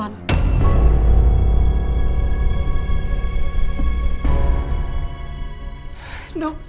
kondisi anak ibu sedang kritis